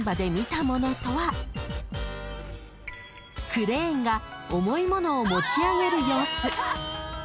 ［クレーンが重いものを持ち上げる様子］